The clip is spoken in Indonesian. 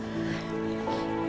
tapi tunggu sebentar